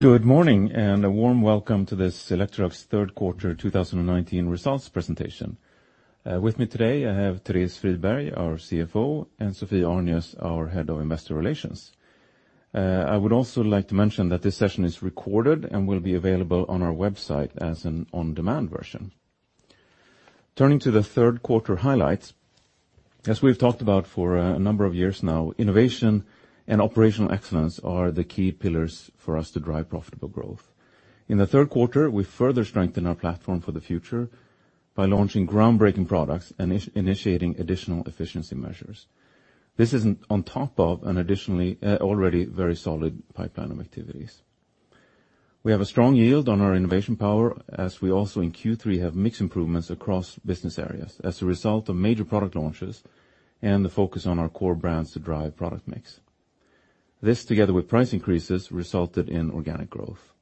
Good morning, and a warm welcome to this Electrolux third quarter 2019 results presentation. With me today, I have Therese Friberg, our CFO, and Sophie Arnius, our head of investor relations. I would also like to mention that this session is recorded and will be available on our website as an on-demand version. Turning to the third quarter highlights, as we've talked about for a number of years now, innovation and operational excellence are the key pillars for us to drive profitable growth. In the third quarter, we further strengthen our platform for the future by launching groundbreaking products and initiating additional efficiency measures. This is on top of an additionally, already very solid pipeline of activities. We have a strong yield on our innovation power as we also in Q3 have mixed improvements across business areas as a result of major product launches and the focus on our core brands to drive product mix. This, together with price increases, resulted in organic growth.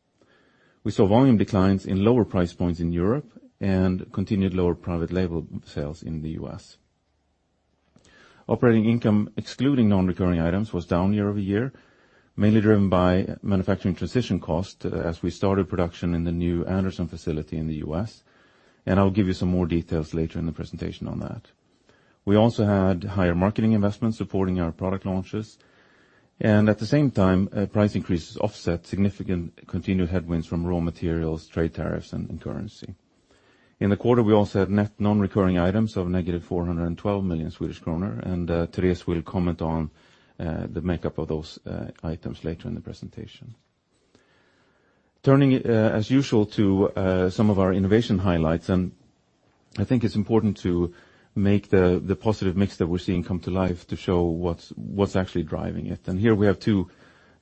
We saw volume declines in lower price points in Europe and continued lower private label sales in the U.S. Operating income, excluding non-recurring items, was down year-over-year, mainly driven by manufacturing transition cost as we started production in the new Anderson facility in the U.S., and I will give you some more details later in the presentation on that. We also had higher marketing investments supporting our product launches, and at the same time, price increases offset significant continued headwinds from raw materials, trade tariffs, and currency. In the quarter, we also had net non-recurring items of negative 412 million Swedish kronor. Therese will comment on the makeup of those items later in the presentation. Turning as usual to some of our innovation highlights. I think it's important to make the positive mix that we're seeing come to life to show what's actually driving it. Here we have two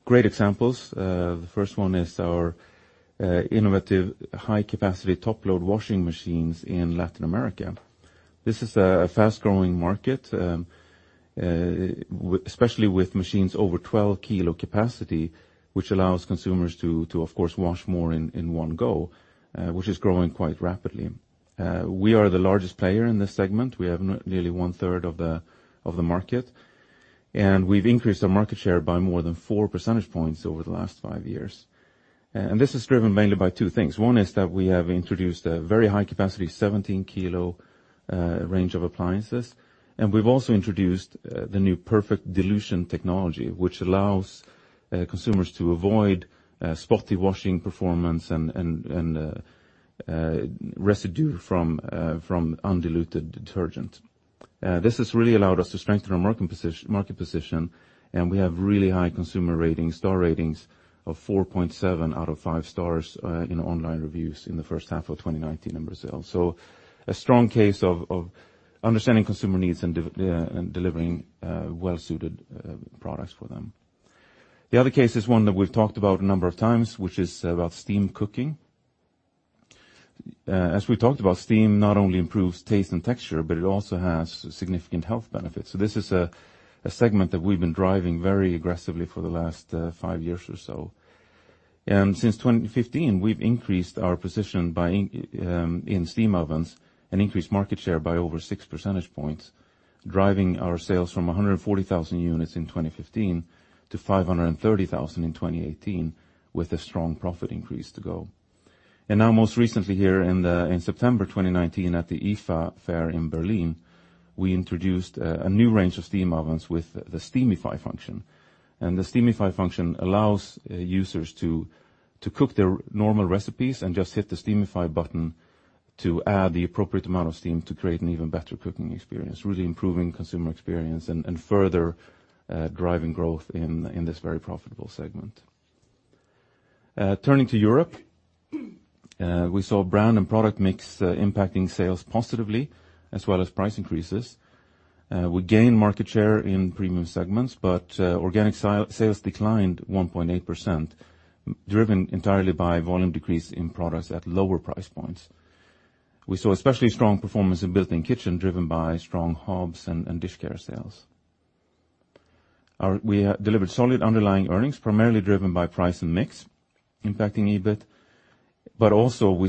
great examples. The first one is our innovative high-capacity top-load washing machines in Latin America. This is a fast-growing market, especially with machines over 12 kilo capacity, which allows consumers to, of course, wash more in one go, which is growing quite rapidly. We are the largest player in this segment. We have nearly one-third of the market, and we've increased our market share by more than four percentage points over the last five years. This is driven mainly by two things. One is that we have introduced a very high-capacity 17-kilo range of appliances, and we've also introduced the new perfect dilution technology, which allows consumers to avoid spotty washing performance and residue from undiluted detergent. This has really allowed us to strengthen our market position, and we have really high consumer ratings, star ratings of 4.7 out of five stars in online reviews in the first half of 2019 in Brazil. A strong case of understanding consumer needs and delivering well-suited products for them. The other case is one that we've talked about a number of times, which is about steam cooking. As we talked about, steam not only improves taste and texture, but it also has significant health benefits. This is a segment that we've been driving very aggressively for the last five years or so. Since 2015, we've increased our position in steam ovens and increased market share by over six percentage points, driving our sales from 140,000 units in 2015 to 530,000 in 2018 with a strong profit increase to go. Now most recently here in September 2019 at the IFA Fair in Berlin, we introduced a new range of steam ovens with the Steamify function. The Steamify function allows users to cook their normal recipes and just hit the Steamify button to add the appropriate amount of steam to create an even better cooking experience, really improving consumer experience, and further driving growth in this very profitable segment. Turning to Europe. We saw brand and product mix impacting sales positively, as well as price increases. We gained market share in premium segments, organic sales declined 1.8%, driven entirely by volume decrease in products at lower price points. We saw especially strong performance in built-in kitchen, driven by strong hobs and dish care sales. We delivered solid underlying earnings, primarily driven by price and mix impacting EBIT, but also we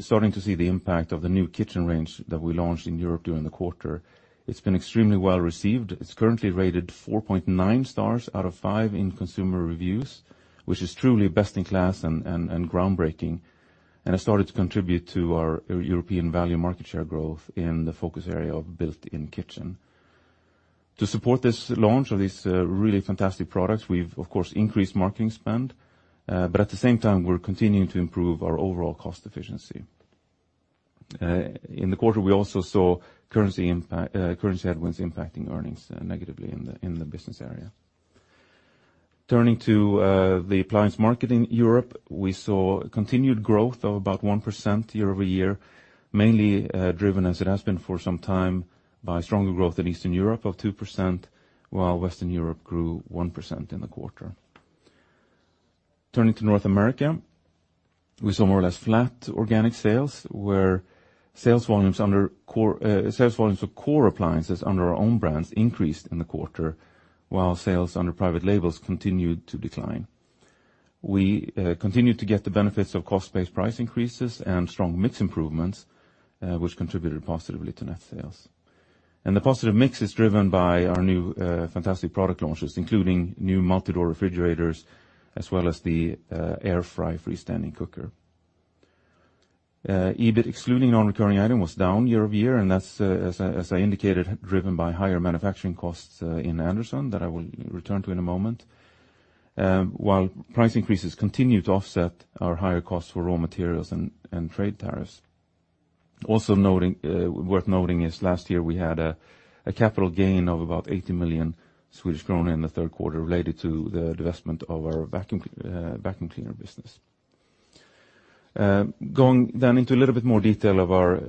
starting to see the impact of the new kitchen range that we launched in Europe during the quarter. It's been extremely well-received. It's currently rated 4.9 stars out of five in consumer reviews, which is truly best in class and groundbreaking, and has started to contribute to our European value market share growth in the focus area of built-in kitchen. To support this launch of this really fantastic product, we've of course increased marketing spend, but at the same time, we're continuing to improve our overall cost efficiency. In the quarter, we also saw currency headwinds impacting earnings negatively in the business area. Turning to the appliance market in Europe. We saw continued growth of about 1% year-over-year, mainly driven, as it has been for some time, by stronger growth in Eastern Europe of 2%, while Western Europe grew 1% in the quarter. Turning to North America. We saw more or less flat organic sales, where sales volumes of core appliances under our own brands increased in the quarter, while sales under private labels continued to decline. We continued to get the benefits of cost-based price increases and strong mix improvements, which contributed positively to net sales. The positive mix is driven by our new fantastic product launches, including new multi-door refrigerators, as well as the AirFry freestanding cooker. EBIT, excluding non-recurring item, was down year-over-year, that's, as I indicated, driven by higher manufacturing costs in Anderson that I will return to in a moment. Price increases continue to offset our higher costs for raw materials and trade tariffs. Also worth noting is last year we had a capital gain of about 80 million Swedish kronor in the third quarter related to the divestment of our vacuum cleaner business. Going into a little bit more detail of our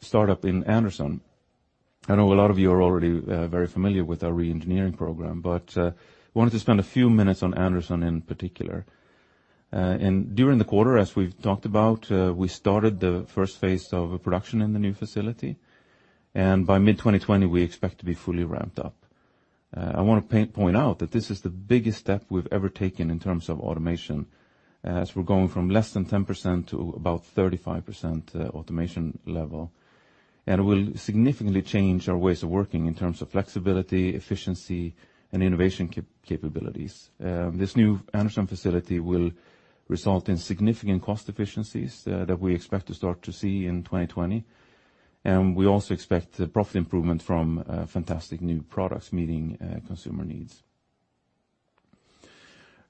startup in Anderson. I know a lot of you are already very familiar with our re-engineering program, but I wanted to spend a few minutes on Anderson in particular. During the quarter, as we've talked about, we started the first phase of production in the new facility. By mid-2020, we expect to be fully ramped up. I want to point out that this is the biggest step we've ever taken in terms of automation, as we're going from less than 10% to about 35% automation level. It will significantly change our ways of working in terms of flexibility, efficiency, and innovation capabilities. This new Anderson facility will result in significant cost efficiencies that we expect to start to see in 2020. We also expect profit improvement from fantastic new products meeting consumer needs.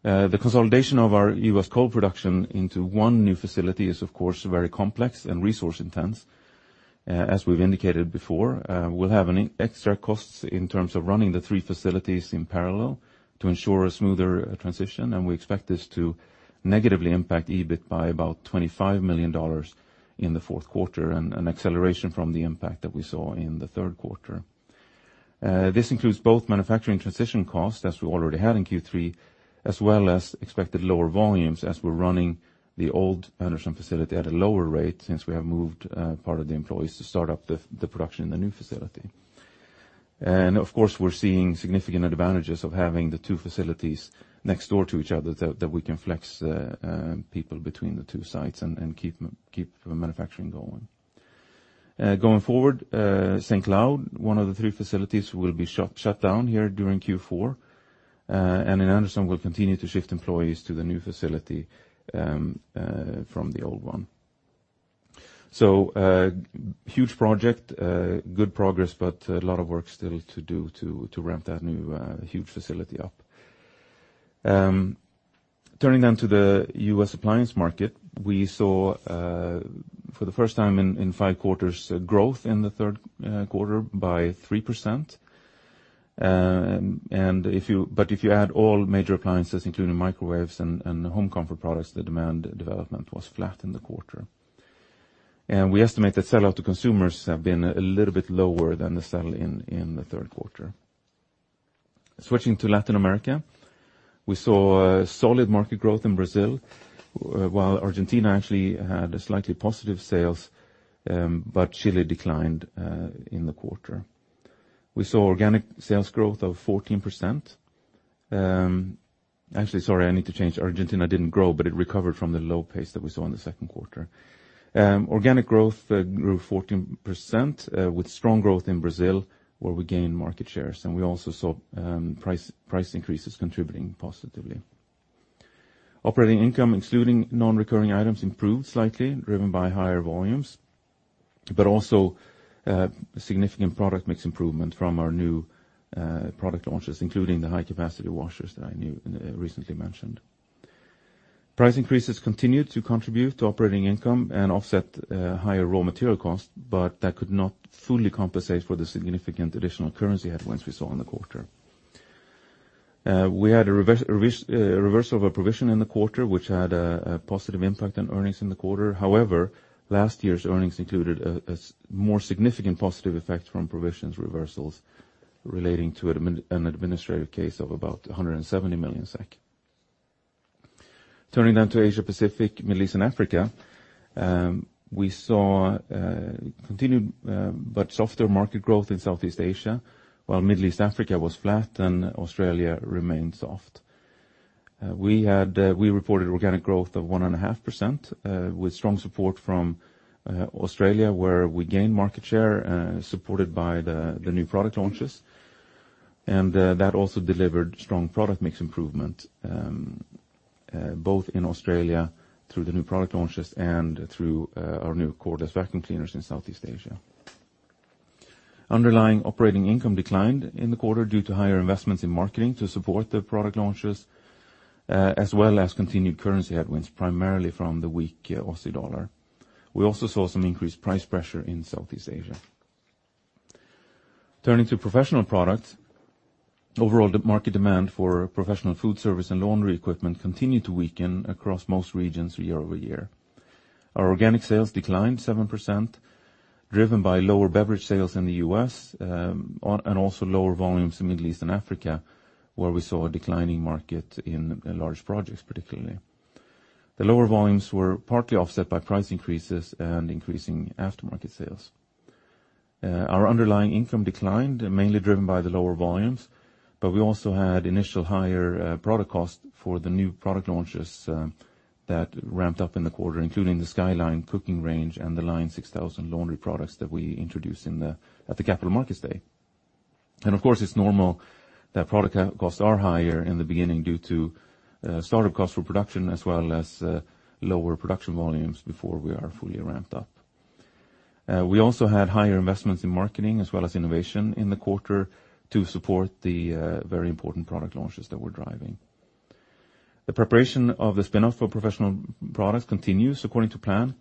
The consolidation of our U.S. cooker production into one new facility is, of course, very complex and resource intense. As we've indicated before, we'll have extra costs in terms of running the three facilities in parallel to ensure a smoother transition, and we expect this to negatively impact EBIT by about $25 million in the fourth quarter and an acceleration from the impact that we saw in the third quarter. This includes both manufacturing transition costs, as we already had in Q3, as well as expected lower volumes as we're running the old Anderson facility at a lower rate since we have moved part of the employees to start up the production in the new facility. Of course, we're seeing significant advantages of having the two facilities next door to each other, that we can flex people between the two sites and keep the manufacturing going. Going forward, St. Cloud, one of the three facilities, will be shut down here during Q4. In Anderson, we'll continue to shift employees to the new facility from the old one. A huge project, good progress, but a lot of work still to do to ramp that new, huge facility up. Turning to the U.S. appliance market. We saw, for the first time in five quarters, growth in the third quarter by 3%. If you add all major appliances, including microwaves and home comfort products, the demand development was flat in the quarter. We estimate that sell-out to consumers have been a little bit lower than the sell-in in the third quarter. Switching to Latin America, we saw solid market growth in Brazil, while Argentina actually had slightly positive sales, but Chile declined in the quarter. We saw organic sales growth of 14%. Actually, sorry, I need to change. Argentina didn't grow, but it recovered from the low pace that we saw in the second quarter. Organic growth grew 14%, with strong growth in Brazil, where we gained market shares. We also saw price increases contributing positively. Operating income, excluding non-recurring items, improved slightly, driven by higher volumes, also a significant product mix improvement from our new product launches, including the high-capacity washers that I recently mentioned. Price increases continued to contribute to operating income and offset higher raw material costs, that could not fully compensate for the significant additional currency headwinds we saw in the quarter. We had a reversal of a provision in the quarter, which had a positive impact on earnings in the quarter. However, last year's earnings included a more significant positive effect from provisions reversals relating to an administrative case of about 170 million SEK. Turning to Asia Pacific, Middle East, and Africa. We saw continued but softer market growth in Southeast Asia, while Middle East Africa was flat and Australia remained soft. We reported organic growth of 1.5% with strong support from Australia, where we gained market share, supported by the new product launches. That also delivered strong product mix improvement, both in Australia through the new product launches and through our new cordless vacuum cleaners in Southeast Asia. Underlying operating income declined in the quarter due to higher investments in marketing to support the product launches, as well as continued currency headwinds, primarily from the weak Aussie dollar. We also saw some increased price pressure in Southeast Asia. Turning to professional products. Overall, the market demand for professional food service and laundry equipment continued to weaken across most regions year-over-year. Our organic sales declined 7%, driven by lower beverage sales in the U.S., and also lower volumes in Middle East and Africa, where we saw a declining market in large projects particularly. The lower volumes were partly offset by price increases and increasing aftermarket sales. Our underlying income declined, mainly driven by the lower volumes. We also had initial higher product cost for the new product launches that ramped up in the quarter, including the SkyLine cooking range and the Line 6000 laundry products that we introduced at the capital markets day. Of course, it's normal that product costs are higher in the beginning due to startup costs for production as well as lower production volumes before we are fully ramped up. We also had higher investments in marketing as well as innovation in the quarter to support the very important product launches that we're driving. The preparation of the spin-off for professional products continues according to plan.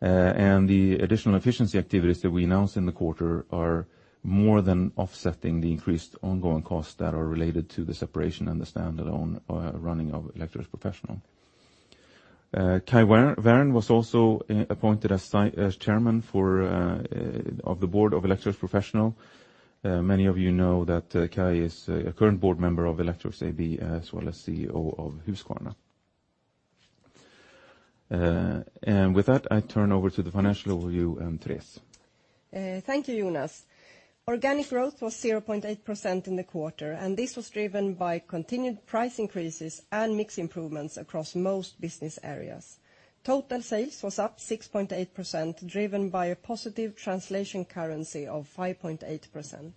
The additional efficiency activities that we announced in the quarter are more than offsetting the increased ongoing costs that are related to the separation and the standalone running of Electrolux Professional. Kai Wärn was also appointed as chairman of the board of Electrolux Professional. Many of you know that Kai is a current board member of Electrolux AB as well as CEO of Husqvarna. With that, I turn over to the financial review, Therese. Thank you, Jonas. Organic growth was 0.8% in the quarter, and this was driven by continued price increases and mix improvements across most business areas. Total sales was up 6.8%, driven by a positive translation currency of 5.8%.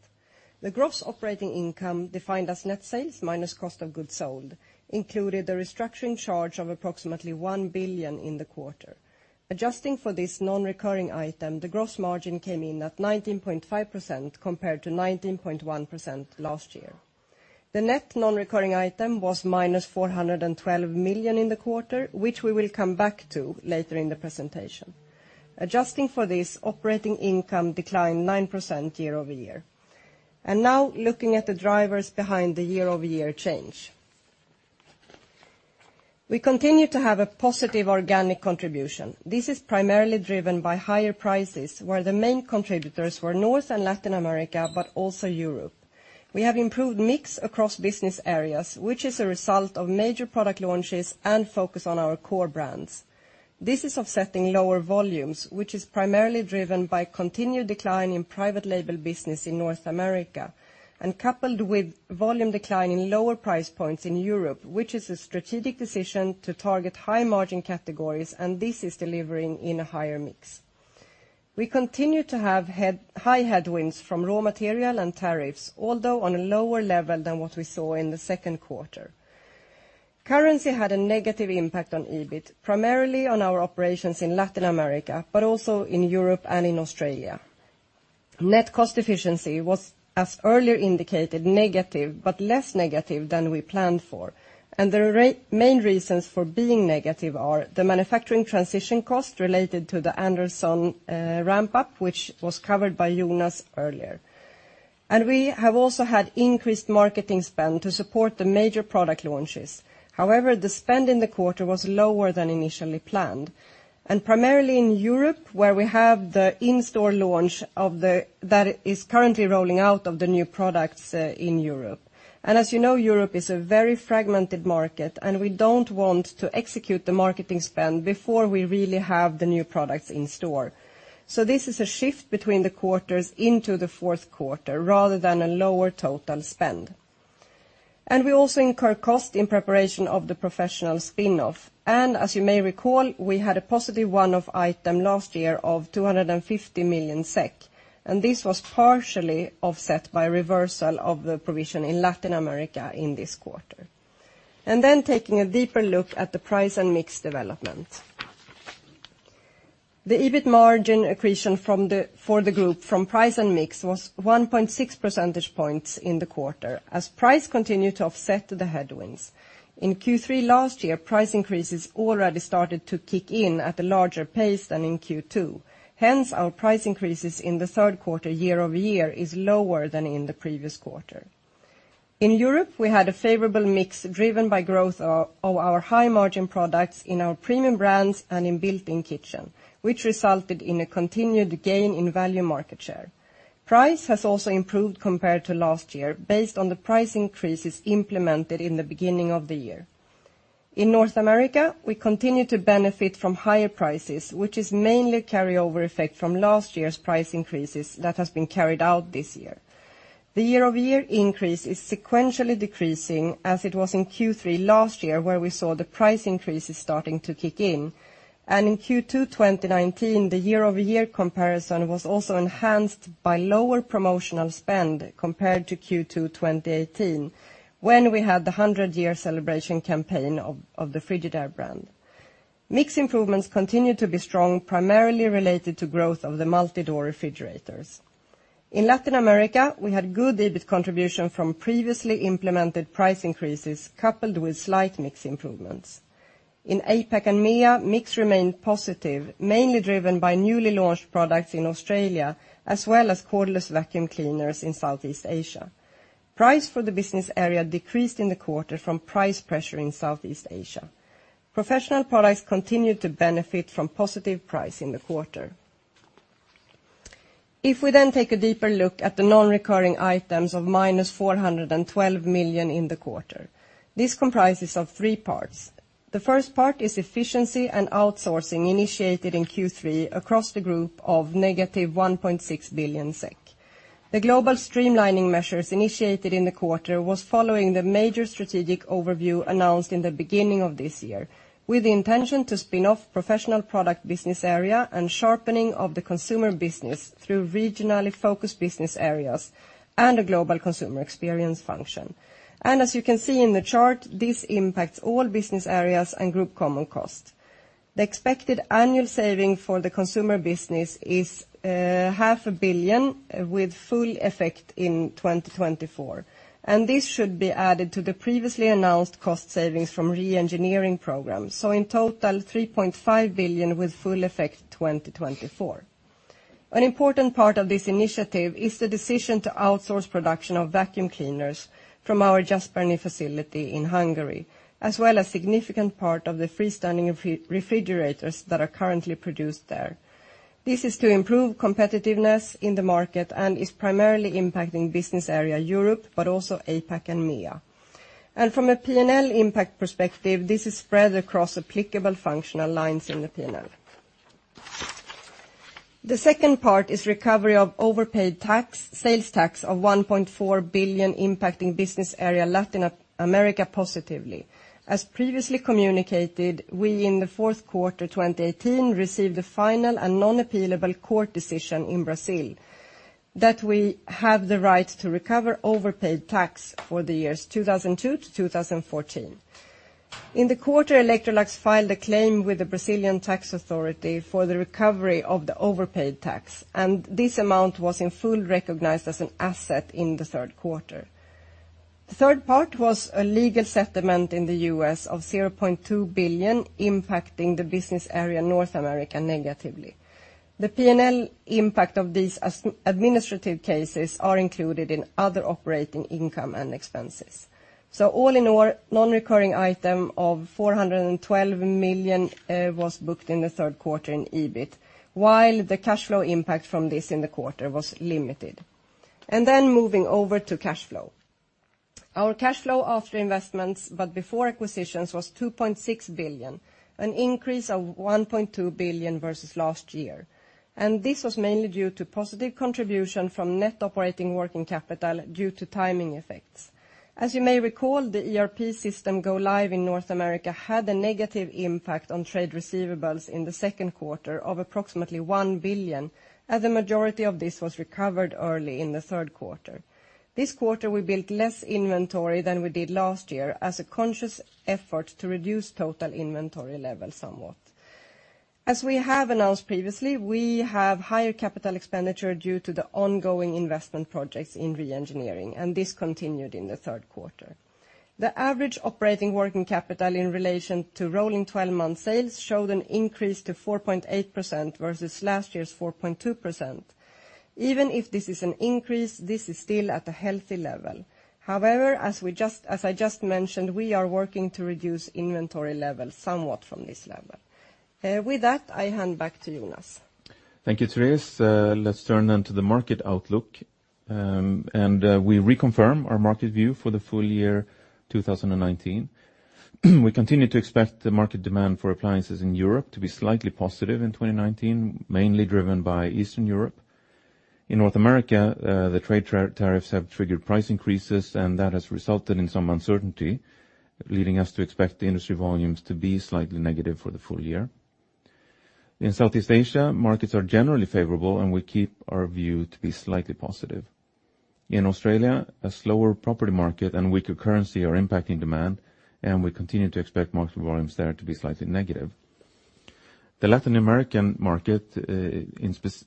The gross operating income, defined as net sales minus cost of goods sold, included a restructuring charge of approximately 1 billion in the quarter. Adjusting for this non-recurring item, the gross margin came in at 19.5% compared to 19.1% last year. The net non-recurring item was minus 412 million in the quarter, which we will come back to later in the presentation. Adjusting for this, operating income declined 9% year-over-year. Now looking at the drivers behind the year-over-year change. We continue to have a positive organic contribution. This is primarily driven by higher prices, where the main contributors were North and Latin America, but also Europe. We have improved mix across business areas, which is a result of major product launches and focus on our core brands. This is offsetting lower volumes, which is primarily driven by continued decline in private label business in North America, coupled with volume decline in lower price points in Europe, which is a strategic decision to target high-margin categories, this is delivering in a higher mix. We continue to have high headwinds from raw material and tariffs, although on a lower level than what we saw in the second quarter. Currency had a negative impact on EBIT, primarily on our operations in Latin America, but also in Europe and in Australia. Net cost efficiency was, as earlier indicated, negative, but less negative than we planned for. The main reasons for being negative are the manufacturing transition cost related to the Jászberény ramp-up, which was covered by Jonas earlier. We have also had increased marketing spend to support the major product launches. However, the spend in the quarter was lower than initially planned, and primarily in Europe, where we have the in-store launch that is currently rolling out of the new products in Europe. As you know, Europe is a very fragmented market, and we don't want to execute the marketing spend before we really have the new products in store. This is a shift between the quarters into the fourth quarter rather than a lower total spend. We also incur cost in preparation of the Professional spin-off. As you may recall, we had a positive one-off item last year of 250 million SEK, and this was partially offset by reversal of the provision in Latin America in this quarter. Taking a deeper look at the price and mix development. The EBIT margin accretion for the group from price and mix was 1.6 percentage points in the quarter as price continued to offset the headwinds. In Q3 last year, price increases already started to kick in at a larger pace than in Q2. Hence, our price increases in the third quarter year-over-year is lower than in the previous quarter. In Europe, we had a favorable mix driven by growth of our high-margin products in our premium brands and in built-in kitchen, which resulted in a continued gain in value market share. Price has also improved compared to last year based on the price increases implemented in the beginning of the year. In North America, we continue to benefit from higher prices, which is mainly carryover effect from last year's price increases that has been carried out this year. The year-over-year increase is sequentially decreasing as it was in Q3 last year, where we saw the price increases starting to kick in. In Q2 2019, the year-over-year comparison was also enhanced by lower promotional spend compared to Q2 2018, when we had the 100-year celebration campaign of the Frigidaire brand. Mix improvements continued to be strong, primarily related to growth of the multi-door refrigerators. In Latin America, we had good EBIT contribution from previously implemented price increases, coupled with slight mix improvements. In APAC and MEA, mix remained positive, mainly driven by newly launched products in Australia as well as cordless vacuum cleaners in Southeast Asia. Price for the business area decreased in the quarter from price pressure in Southeast Asia. Professional Products continued to benefit from positive price in the quarter. A deeper look at the non-recurring items of minus 412 million in the quarter. This comprises of three parts. The first part is efficiency and outsourcing initiated in Q3 across the group of negative 1.6 billion SEK. The global streamlining measures initiated in the quarter was following the major strategic overview announced in the beginning of this year, with the intention to spin off Professional Products business area and sharpening of the consumer business through regionally focused business areas and a global consumer experience function. As you can see in the chart, this impacts all business areas and group common cost. The expected annual saving for the consumer business is half a billion with full effect in 2024. This should be added to the previously announced cost savings from re-engineering programs. In total, 3.5 billion with full effect 2024. An important part of this initiative is the decision to outsource production of vacuum cleaners from our Jászberény facility in Hungary, as well as significant part of the freestanding refrigerators that are currently produced there. This is to improve competitiveness in the market and is primarily impacting business area Europe, but also APAC and MEA. From a P&L impact perspective, this is spread across applicable functional lines in the P&L. The second part is recovery of overpaid sales tax of 1.4 billion impacting business area Latin America positively. As previously communicated, we in the fourth quarter 2018, received a final and non-appealable court decision in Brazil that we have the right to recover overpaid tax for the years 2002 to 2014. In the quarter, Electrolux filed a claim with the Brazilian tax authority for the recovery of the overpaid tax, and this amount was in full recognized as an asset in the third quarter. The third part was a legal settlement in the U.S. of 0.2 billion impacting the business area North America negatively. The P&L impact of these administrative cases are included in other operating income and expenses. All in all, non-recurring item of 412 million was booked in the third quarter in EBIT, while the cash flow impact from this in the quarter was limited. Then moving over to cash flow. Our cash flow after investments, but before acquisitions was 2.6 billion, an increase of 1.2 billion versus last year. This was mainly due to positive contribution from net operating working capital due to timing effects. As you may recall, the ERP system go live in North America had a negative impact on trade receivables in the second quarter of approximately 1 billion, as the majority of this was recovered early in the third quarter. This quarter, we built less inventory than we did last year as a conscious effort to reduce total inventory level somewhat. As we have announced previously, we have higher capital expenditure due to the ongoing investment projects in re-engineering. This continued in the third quarter. The average operating working capital in relation to rolling 12-month sales showed an increase to 4.8% versus last year's 4.2%. Even if this is an increase, this is still at a healthy level. As I just mentioned, we are working to reduce inventory levels somewhat from this level. With that, I hand back to Jonas. Thank you, Therese. Let's turn to the market outlook. We reconfirm our market view for the full year 2019. We continue to expect the market demand for appliances in Europe to be slightly positive in 2019, mainly driven by Eastern Europe. In North America, the trade tariffs have triggered price increases, and that has resulted in some uncertainty, leading us to expect the industry volumes to be slightly negative for the full year. In Southeast Asia, markets are generally favorable, and we keep our view to be slightly positive. In Australia, a slower property market and weaker currency are impacting demand, and we continue to expect market volumes there to be slightly negative. The Latin American market,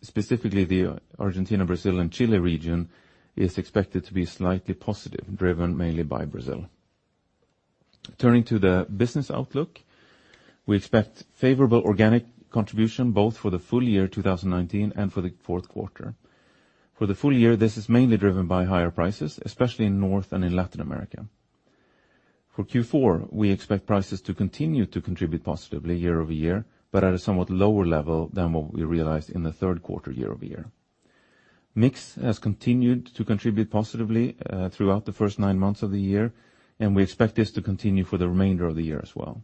specifically the Argentina, Brazil, and Chile region, is expected to be slightly positive, driven mainly by Brazil. Turning to the business outlook, we expect favorable organic contribution both for the full year 2019 and for the fourth quarter. For the full year, this is mainly driven by higher prices, especially in North and in Latin America. For Q4, we expect prices to continue to contribute positively year-over-year, but at a somewhat lower level than what we realized in the third quarter year-over-year. Mix has continued to contribute positively throughout the first nine months of the year, and we expect this to continue for the remainder of the year as well.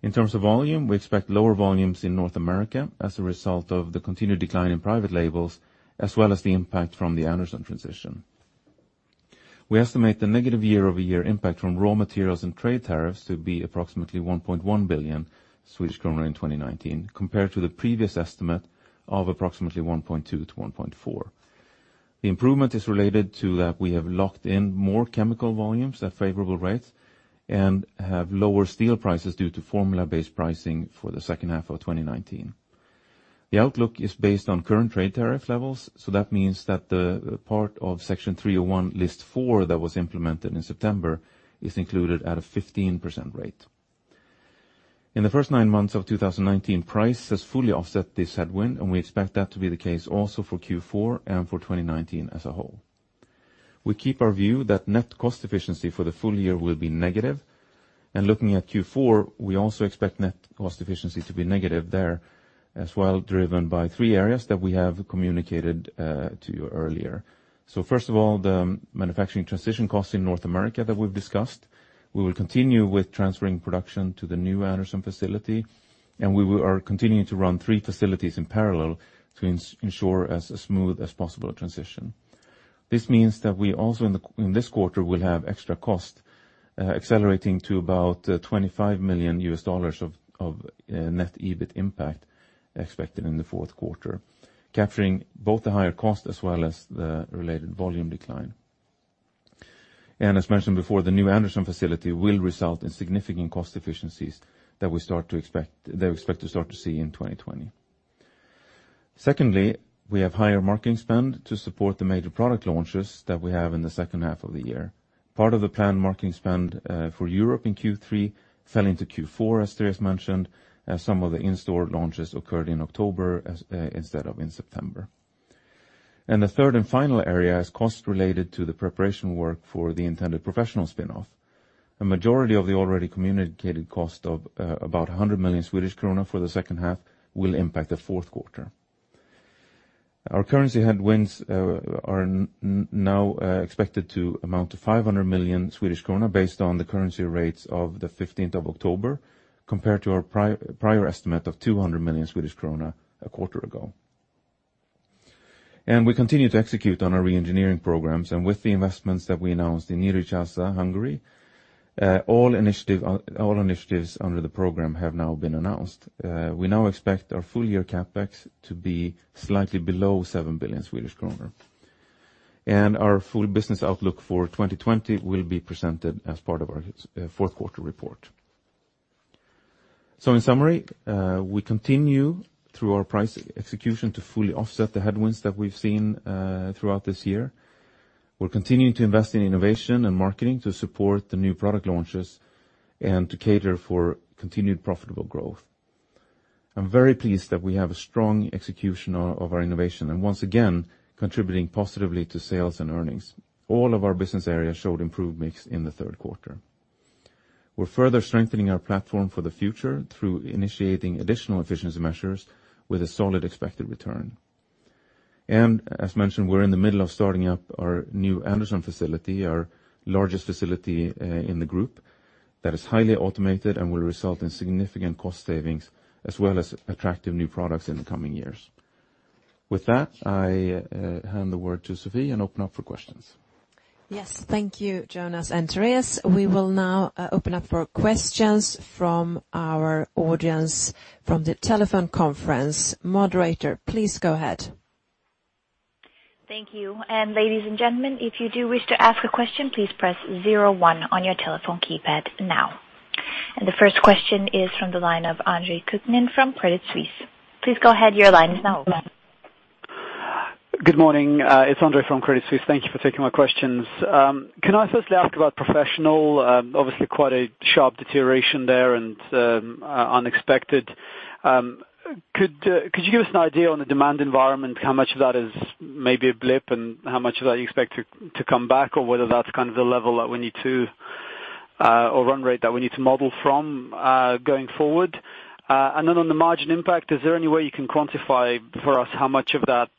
In terms of volume, we expect lower volumes in North America as a result of the continued decline in private labels, as well as the impact from the Anderson transition. We estimate the negative year-over-year impact from raw materials and trade tariffs to be approximately 1.1 billion Swedish kronor in 2019, compared to the previous estimate of approximately 1.2 billion-1.4 billion. The improvement is related to that we have locked in more chemical volumes at favorable rates and have lower steel prices due to formula-based pricing for the second half of 2019. The outlook is based on current trade tariff levels, that means that the part of Section 301, List 4 that was implemented in September is included at a 15% rate. In the first nine months of 2019, price has fully offset this headwind, and we expect that to be the case also for Q4 and for 2019 as a whole. We keep our view that net cost efficiency for the full year will be negative. Looking at Q4, we also expect net cost efficiency to be negative there as well driven by three areas that we have communicated to you earlier. First of all, the manufacturing transition costs in North America that we've discussed. We will continue with transferring production to the new Anderson facility, and we are continuing to run three facilities in parallel to ensure as smooth as possible a transition. This means that we also, in this quarter, will have extra cost, accelerating to about $25 million of net EBIT impact expected in the fourth quarter, capturing both the higher cost as well as the related volume decline. As mentioned before, the new Anderson facility will result in significant cost efficiencies that we expect to start to see in 2020. Secondly, we have higher marketing spend to support the major product launches that we have in the second half of the year. Part of the planned marketing spend for Europe in Q3 fell into Q4, as Therese mentioned. Some of the in-store launches occurred in October instead of in September. The third and final area is costs related to the preparation work for the intended professional spinoff. A majority of the already communicated cost of about 100 million Swedish krona for the second half will impact the fourth quarter. Our currency headwinds are now expected to amount to 500 million Swedish krona based on the currency rates of the 15th of October, compared to our prior estimate of 200 million Swedish krona a quarter ago. We continue to execute on our re-engineering programs. With the investments that we announced in Nyíregyháza, Hungary, all initiatives under the program have now been announced. We now expect our full-year CapEx to be slightly below 7 billion Swedish kronor. Our full business outlook for 2020 will be presented as part of our fourth quarter report. In summary, we continue through our price execution to fully offset the headwinds that we've seen throughout this year. We're continuing to invest in innovation and marketing to support the new product launches and to cater for continued profitable growth. I'm very pleased that we have a strong execution of our innovation, and once again, contributing positively to sales and earnings. All of our business areas showed improved mix in the third quarter. We're further strengthening our platform for the future through initiating additional efficiency measures with a solid expected return. As mentioned, we're in the middle of starting up our new Anderson facility, our largest facility in the group, that is highly automated and will result in significant cost savings as well as attractive new products in the coming years. With that, I hand the word to Sophie and open up for questions. Yes. Thank you, Jonas and Therese. We will now open up for questions from our audience from the telephone conference. Moderator, please go ahead. Thank you. Ladies and gentlemen, if you do wish to ask a question, please press zero one on your telephone keypad now. The first question is from the line of Andre Kukhnin from Credit Suisse. Please go ahead, your line is now open. Good morning. It is Andrei from Credit Suisse. Thank you for taking my questions. Can I firstly ask about Professional? Quite a sharp deterioration there and unexpected. Could you give us an idea on the demand environment, how much of that is maybe a blip and how much of that you expect to come back or whether that is the level that we need to or run rate that we need to model from going forward? On the margin impact, is there any way you can quantify for us how much of that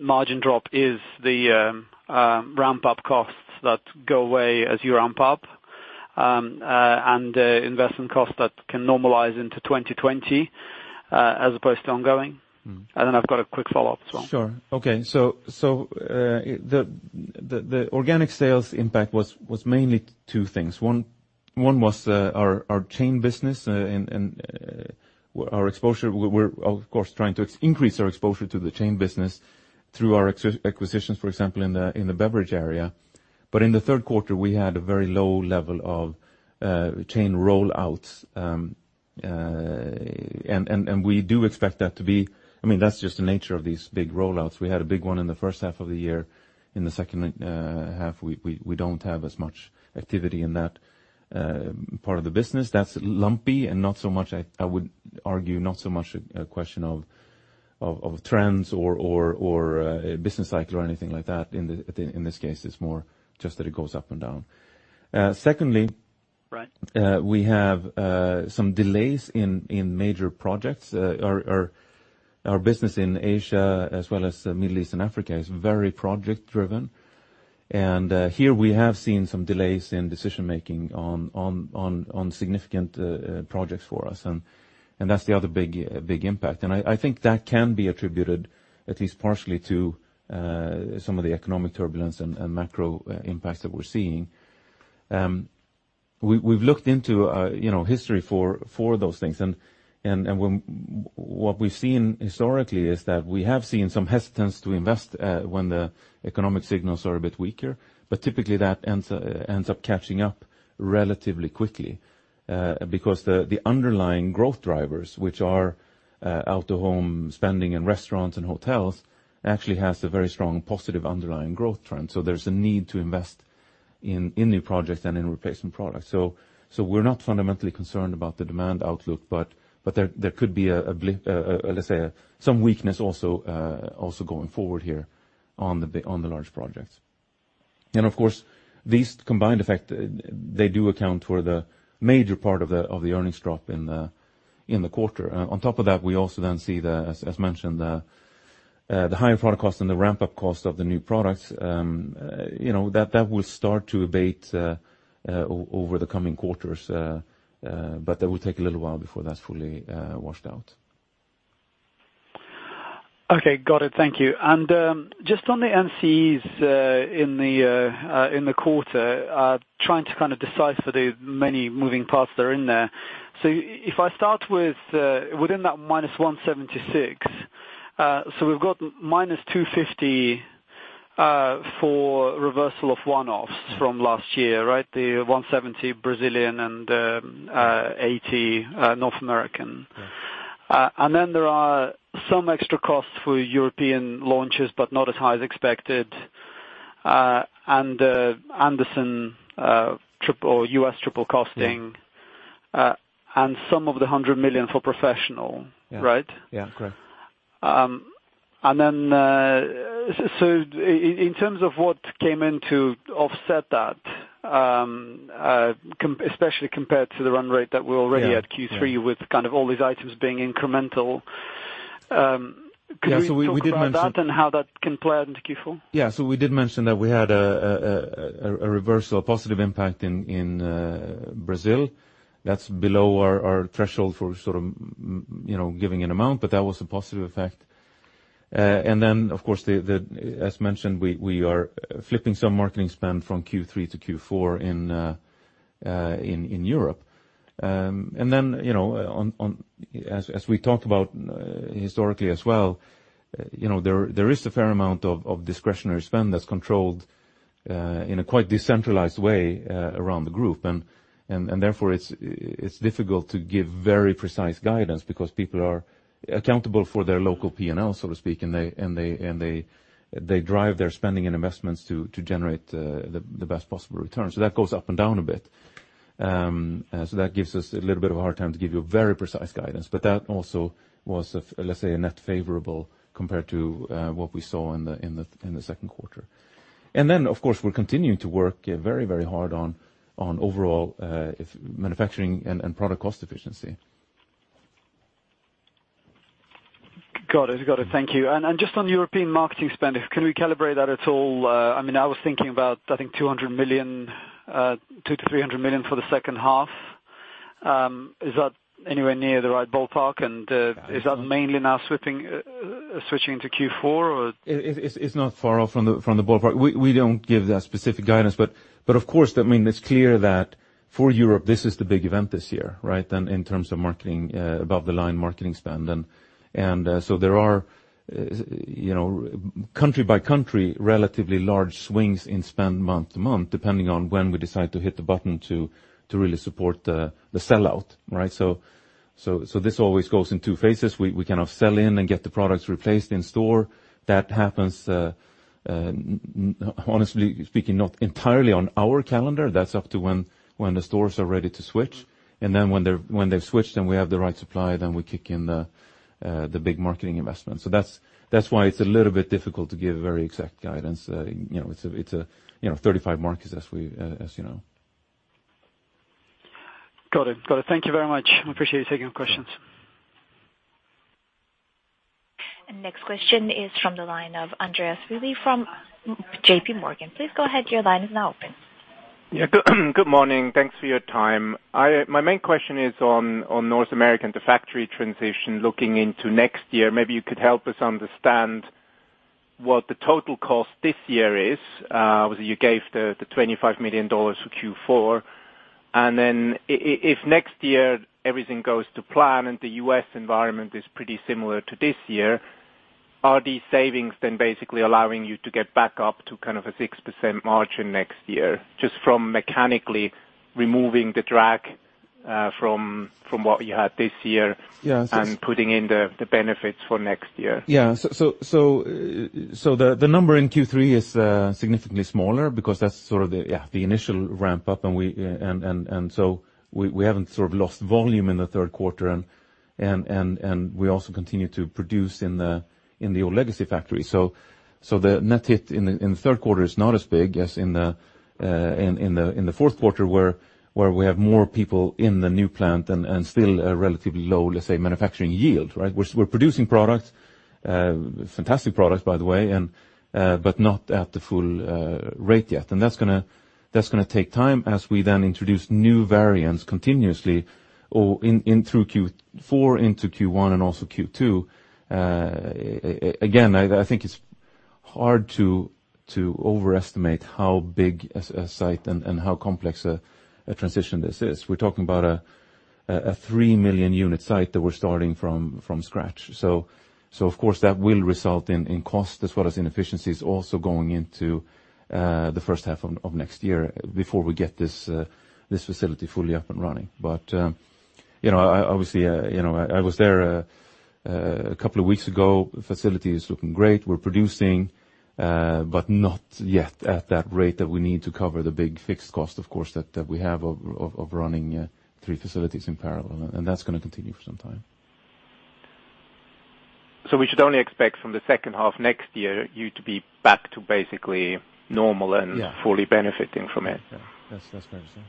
margin drop is the ramp-up costs that go away as you ramp up, and investment costs that can normalize into 2020 as opposed to ongoing? I have got a quick follow-up as well. Sure. Okay. The organic sales impact was mainly two things. One was our chain business and our exposure. We're of course trying to increase our exposure to the chain business through our acquisitions, for example, in the beverage area. In the third quarter, we had a very low level of chain rollouts. We do expect that's just the nature of these big rollouts. We had a big one in the first half of the year. In the second half, we don't have as much activity in that part of the business. That's lumpy and not so much, I would argue, not so much a question of trends or a business cycle or anything like that. In this case, it's more just that it goes up and down. Secondly. Right we have some delays in major projects. Our business in Asia as well as Middle East and Africa is very project-driven. Here we have seen some delays in decision-making on significant projects for us, and that's the other big impact. I think that can be attributed, at least partially, to some of the economic turbulence and macro impacts that we're seeing. We've looked into history for those things, and what we've seen historically is that we have seen some hesitance to invest when the economic signals are a bit weaker. Typically that ends up catching up relatively quickly because the underlying growth drivers, which are out-of-home spending in restaurants and hotels, actually has a very strong positive underlying growth trend. There's a need to invest in new projects and in replacement products. We're not fundamentally concerned about the demand outlook, but there could be a blip, let's say some weakness also going forward here on the large projects. Of course, these combined effect, they do account for the major part of the earnings drop in the quarter. On top of that, we also then see, as mentioned, the higher product cost and the ramp-up cost of the new products. That will start to abate over the coming quarters, but that will take a little while before that's fully washed out. Okay, got it. Thank you. Just on the MCEs in the quarter, trying to decipher the many moving parts that are in there. If I start within that minus 176, we've got minus 250 for reversal of one-offs from last year, right? The 170 Brazilian and 80 North American. Yes. There are some extra costs for European launches but not as high as expected. Anderson, U.S. Yes Some of the 100 million for Professional, right? Yeah. Correct. In terms of what came in to offset that, especially compared to the run rate that we're already at Q3 with all these items being incremental. Yeah. Could you talk about that and how that can play out into Q4? Yeah. We did mention that we had a reversal, a positive impact in Brazil. That's below our threshold for sort of giving an amount, but that was a positive effect. Of course, as mentioned, we are flipping some marketing spend from Q3 to Q4 in Europe. As we talked about historically as well, there is a fair amount of discretionary spend that's controlled in a quite decentralized way around the group. Therefore it's difficult to give very precise guidance because people are accountable for their local P&L, so to speak, and they drive their spending and investments to generate the best possible return. That goes up and down a bit. That gives us a little bit of a hard time to give you a very precise guidance. That also was, let's say, a net favorable compared to what we saw in the second quarter. Of course, we're continuing to work very hard on overall manufacturing and product cost efficiency. Got it. Thank you. Just on European marketing spend, can we calibrate that at all? I was thinking about, I think 200 million, 200 million-300 million for the second half. Is that anywhere near the right ballpark, is that mainly now switching to Q4 or? It's not far off from the ballpark. We don't give that specific guidance, but of course, it's clear that for Europe, this is the big event this year, right, in terms of above the line marketing spend. There are country by country, relatively large swings in spend month to month, depending on when we decide to hit the button to really support the sell-out, right? This always goes in two phases. We kind of sell in and get the products replaced in store. That happens, honestly speaking, not entirely on our calendar. That's up to when the stores are ready to switch. When they've switched and we have the right supply, then we kick in the big marketing investment. That's why it's a little bit difficult to give very exact guidance. It's 35 markets as you know. Got it. Thank you very much. I appreciate you taking our questions. Next question is from the line of Andreas Ruby from J.P. Morgan. Please go ahead. Your line is now open. Yeah. Good morning. Thanks for your time. My main question is on North American, the factory transition looking into next year. Maybe you could help us understand what the total cost this year is. Obviously, you gave the $25 million for Q4. If next year everything goes to plan and the U.S. environment is pretty similar to this year, are these savings then basically allowing you to get back up to kind of a 6% margin next year, just from mechanically removing the drag from what you had this year. Yes Putting in the benefits for next year? The number in Q3 is significantly smaller because that's sort of the initial ramp up. We haven't sort of lost volume in the third quarter. We also continue to produce in the old legacy factory. The net hit in the third quarter is not as big as in the fourth quarter, where we have more people in the new plant and still a relatively low, let's say, manufacturing yield, right? We're producing products, fantastic products, by the way, but not at the full rate yet. That's going to take time as we then introduce new variants continuously or through Q4 into Q1 and also Q2. Again, I think it's hard to overestimate how big a site and how complex a transition this is. We're talking about a 3 million unit site that we're starting from scratch. Of course, that will result in cost as well as inefficiencies also going into the first half of next year before we get this facility fully up and running. Obviously, I was there a couple of weeks ago. Facility is looking great. We're producing, but not yet at that rate that we need to cover the big fixed cost, of course, that we have of running three facilities in parallel, and that's going to continue for some time. We should only expect from the second half next year, you to be back to basically normal. Yeah fully benefiting from it. Yeah. That's fair to say.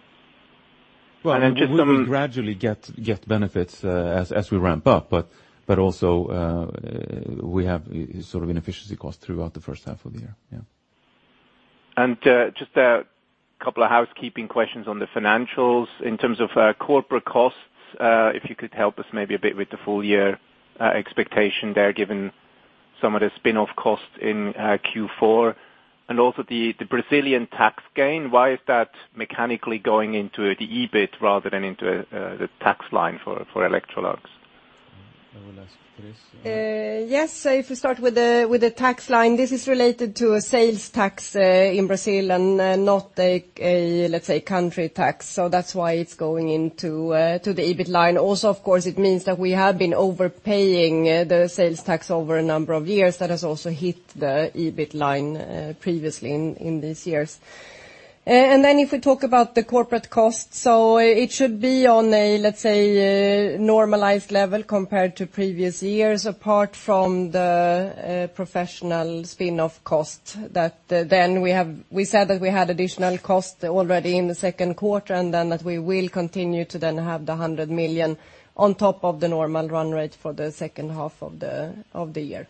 And then just some- Well, we will gradually get benefits as we ramp up. Also, we have sort of inefficiency cost throughout the first half of the year. Yeah. Just a couple of housekeeping questions on the financials in terms of corporate costs. If you could help us maybe a bit with the full year expectation there, given some of the spin-off costs in Q4 and also the Brazilian tax gain. Why is that mechanically going into the EBIT rather than into the tax line for Electrolux? I will ask Therese. Yes. If we start with the tax line, this is related to a sales tax in Brazil and not, let's say, country tax. Of course, it means that we have been overpaying the sales tax over a number of years. That has also hit the EBIT line previously in these years. If we talk about the corporate costs, so it should be on a, let's say, normalized level compared to previous years, apart from the Professional spin-off cost. We said that we had additional cost already in the second quarter, and then that we will continue to then have the 100 million on top of the normal run rate for the second half of the year.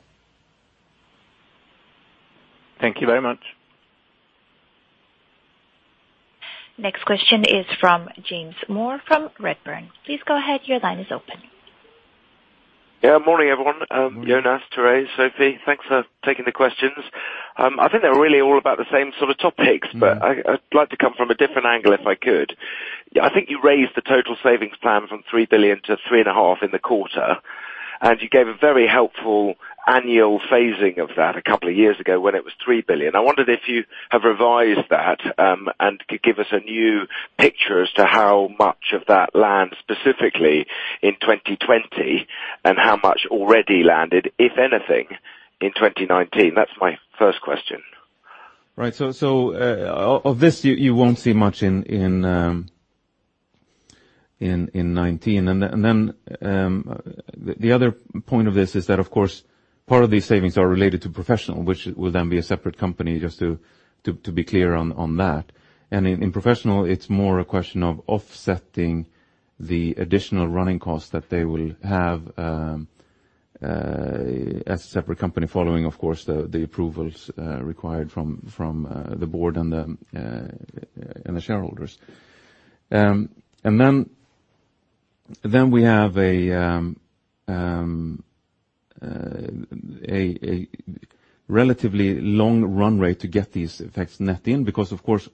Thank you very much. Next question is from James Moore from Redburn. Please go ahead. Your line is open. Morning, everyone. Jonas, Therese, Sophie, thanks for taking the questions. I think they're really all about the same sort of topics. I'd like to come from a different angle if I could. I think you raised the total savings plan from 3 billion to 3.5 billion in the quarter, and you gave a very helpful annual phasing of that a couple of years ago when it was 3 billion. I wondered if you have revised that, and could give us a new picture as to how much of that land specifically in 2020 and how much already landed, if anything, in 2019. That's my first question. Right. Of this, you won't see much in 2019. Then the other point of this is that, of course, part of these savings are related to Professional, which will then be a separate company, just to be clear on that. In Professional, it's more a question of offsetting the additional running costs that they will have, as a separate company, following, of course, the approvals required from the board and the shareholders. Then we have a relatively long run rate to get these effects netted in because, of course,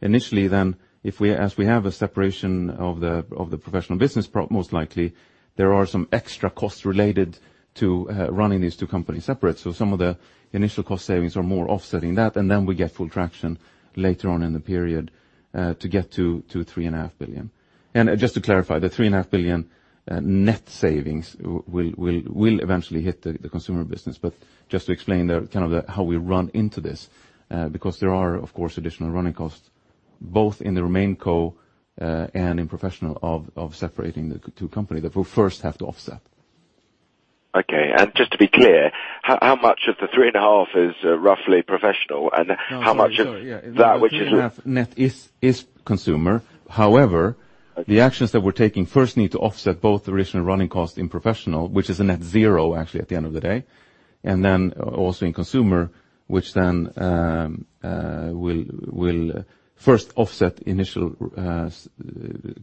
initially then, as we have a separation of the Professional business most likely, there are some extra costs related to running these two companies separate. Some of the initial cost savings are more offsetting that, and then we get full traction later on in the period to get to 3.5 billion. Just to clarify, the three and a half billion net savings will eventually hit the Consumer business. Just to explain kind of how we run into this, because there are, of course, additional running costs both in the RemainCo and in Professional of separating the two company that we'll first have to offset. Okay. Just to be clear, how much of the three and a half is roughly Professional and how much of- Sure. Yeah. that which is. The three and a half net is Consumer. The actions that we're taking first need to offset both the original running cost in Professional, which is a net zero actually at the end of the day. Also in Consumer, which then will first offset initial,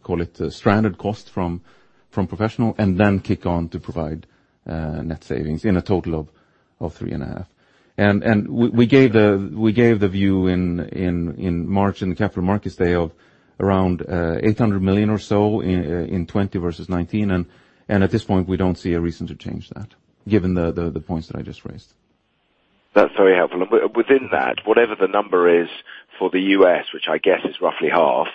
call it stranded cost from Professional and then kick on to provide net savings in a total of three and a half. We gave the view in March in the Capital Markets Day of around 800 million or so in 2020 versus 2019. At this point, we don't see a reason to change that given the points that I just raised. That's very helpful. Within that, whatever the number is for the U.S., which I guess is roughly half,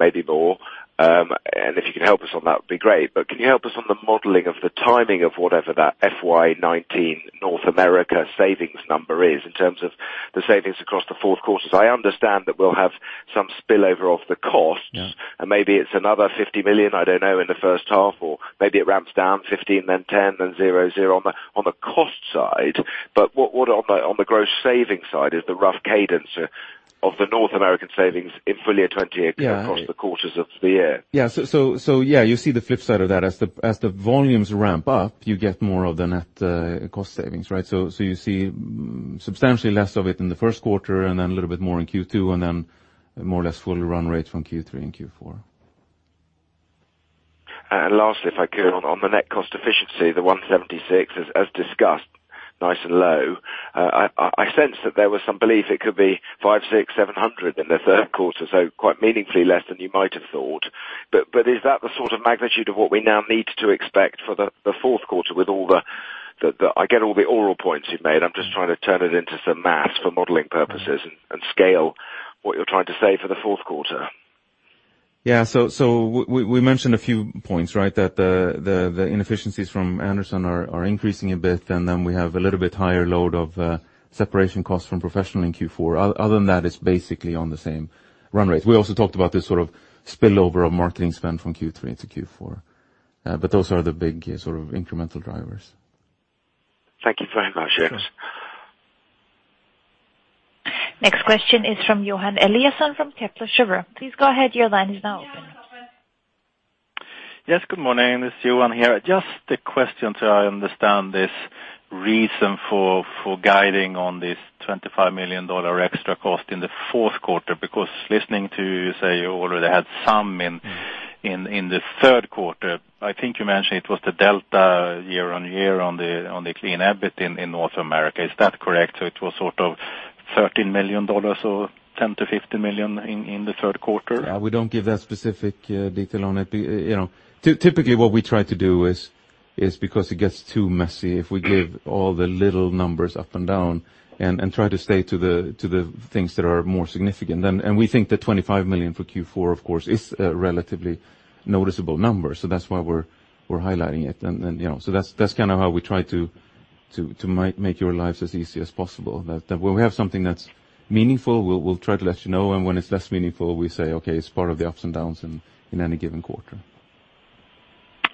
maybe more, and if you can help us on that would be great. Can you help us on the modeling of the timing of whatever that FY 2019 North America savings number is in terms of the savings across the four quarters? I understand that we'll have some spillover of the costs. Yeah. Maybe it's another 50 million, I don't know, in the first half, or maybe it ramps down 15, then 10, then zero on the cost side. What on the gross savings side is the rough cadence of the North American savings in full year 2020 across- Yeah the quarters of the year? Yeah. You see the flip side of that. As the volumes ramp up, you get more of the net cost savings, right? You see substantially less of it in the first quarter, and then a little bit more in Q2, and then more or less full run rate from Q3 and Q4. Lastly, if I could on the net cost efficiency, the 176, as discussed, nice and low. I sense that there was some belief it could be SEK five, SEK six, 700 in the third quarter. Yeah Quite meaningfully less than you might have thought. Is that the sort of magnitude of what we now need to expect for the fourth quarter? I get all the oral points you've made. I'm just trying to turn it into some math for modeling purposes and scale what you're trying to say for the fourth quarter. We mentioned a few points, right? The inefficiencies from Anderson are increasing a bit, and then we have a little bit higher load of separation costs from Electrolux Professional in Q4. Other than that, it's basically on the same run rate. We also talked about this spillover of marketing spend from Q3 into Q4. Those are the big incremental drivers. Thank you very much. Sure. Next question is from Johan Eliason from Kepler Cheuvreux. Please go ahead. Your line is now open. Yes, good morning. It's Johan here. Just a question to understand this reason for guiding on this $25 million extra cost in the fourth quarter, because listening to you say you already had some in the third quarter. I think you mentioned it was the delta year-on-year on the clean EBIT in North America. Is that correct? It was sort of $13 million or $10 million-$15 million in the third quarter? We don't give that specific detail on it. Typically, what we try to do is, because it gets too messy if we give all the little numbers up and down, and try to stay to the things that are more significant. We think that $25 million for Q4, of course, is a relatively noticeable number. That's why we're highlighting it. That's how we try to make your lives as easy as possible, that when we have something that's meaningful, we'll try to let you know, and when it's less meaningful, we say, okay, it's part of the ups and downs in any given quarter.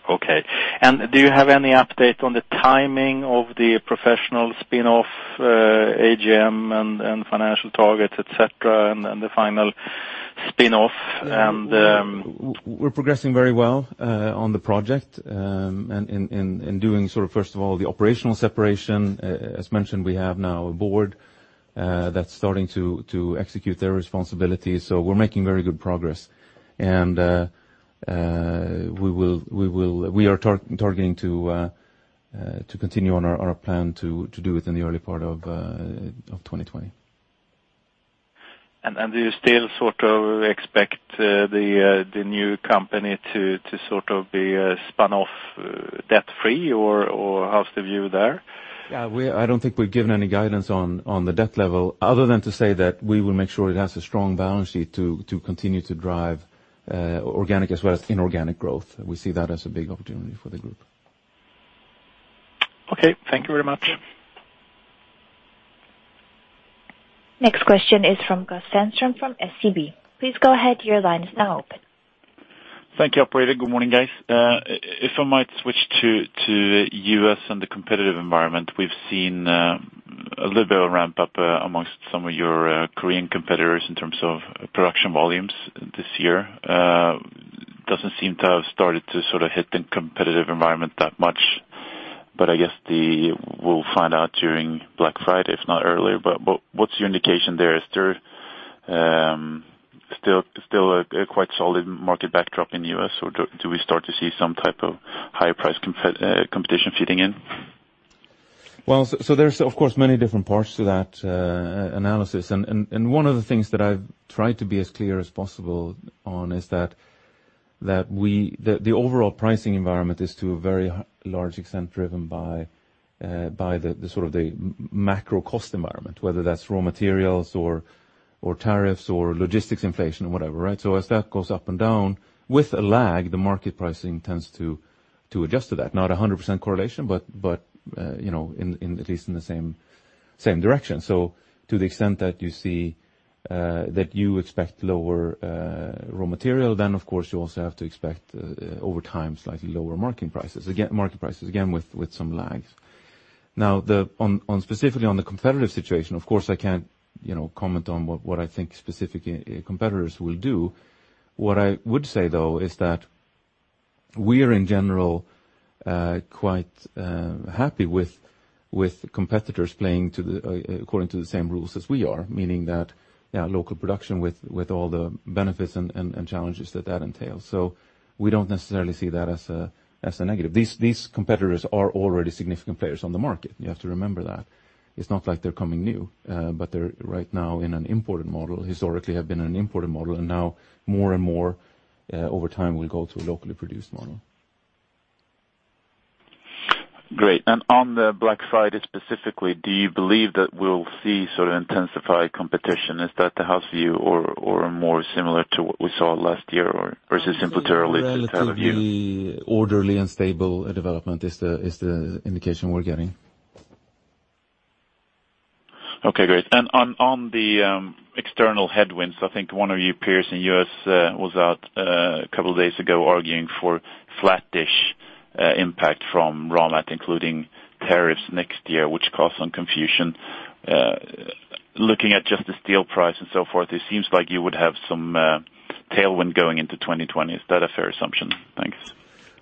Okay. Do you have any update on the timing of the Professional spin-off AGM and financial targets, et cetera, and the final spin-off. We're progressing very well on the project, and doing first of all, the operational separation. As mentioned, we have now a board that's starting to execute their responsibilities. We're making very good progress. We are targeting to continue on our plan to do it in the early part of 2020. Do you still expect the new company to be spun off debt-free or how's the view there? I don't think we've given any guidance on the debt level other than to say that we will make sure it has a strong balance sheet to continue to drive organic as well as inorganic growth. We see that as a big opportunity for the group. Okay. Thank you very much. Next question is from Gustav Sandström from SEB. Please go ahead. Your line is now open. Thank you, operator. Good morning, guys. If I might switch to U.S. and the competitive environment. We've seen a little bit of a ramp-up amongst some of your Korean competitors in terms of production volumes this year. Doesn't seem to have started to hit the competitive environment that much, but I guess we'll find out during Black Friday, if not earlier. What's your indication there? Is there still a quite solid market backdrop in the U.S., or do we start to see some type of higher price competition fitting in? There's, of course, many different parts to that analysis, and one of the things that I've tried to be as clear as possible on is that the overall pricing environment is to a very large extent driven by the macro cost environment, whether that's raw materials or tariffs or logistics inflation or whatever, right? As that goes up and down, with a lag, the market pricing tends to adjust to that. Not 100% correlation, but at least in the same direction. To the extent that you expect lower raw material, then, of course, you also have to expect, over time, slightly lower market prices. Again, with some lags. Now, specifically on the competitive situation, of course, I can't comment on what I think specific competitors will do. What I would say, though, is that we are in general quite happy with competitors playing according to the same rules as we are, meaning that local production with all the benefits and challenges that that entails. We don't necessarily see that as a negative. These competitors are already significant players on the market. You have to remember that. It's not like they're coming new. They're right now in an imported model, historically have been an imported model, and now more and more, over time, will go to a locally produced model. Great. On the Black Friday specifically, do you believe that we'll see intensified competition? Is that the house view or more similar to what we saw last year, or is it simply too early to tell or view? Relatively orderly and stable development is the indication we're getting. On the external headwinds, I think one of your peers in U.S. was out a couple of days ago arguing for flat-ish impact from raw mat, including tariffs next year, which caused some confusion. Looking at just the steel price and so forth, it seems like you would have some tailwind going into 2020. Is that a fair assumption? Thanks.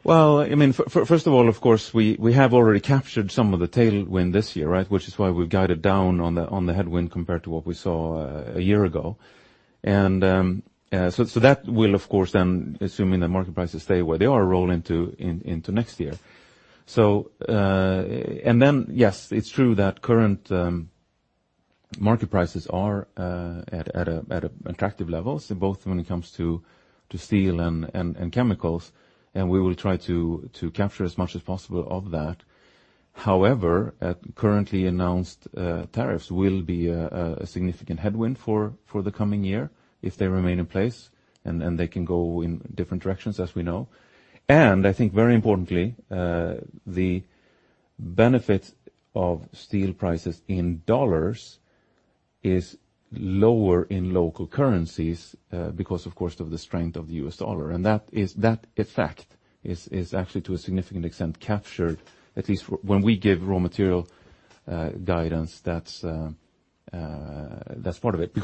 Well, first of all, of course, we have already captured some of the tailwind this year, which is why we've guided down on the headwind compared to what we saw a year ago. That will, of course, then, assuming that market prices stay where they are, roll into next year. Then, yes, it's true that current market prices are at attractive levels, both when it comes to steel and chemicals, and we will try to capture as much as possible of that. However, currently announced tariffs will be a significant headwind for the coming year if they remain in place, and they can go in different directions, as we know. I think very importantly, the benefit of steel prices in USD is lower in local currencies because, of course, of the strength of the US dollar. That effect is actually to a significant extent captured, at least when we give raw material guidance, that's part of it.